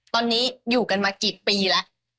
ตอนนี้อยู่กันมากี่ปีแล้ว